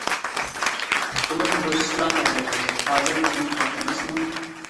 قولۇم بوشىسىلا خەت يازاي، ھازىر خىزمەت ۋاقتى ئەمەسمۇ.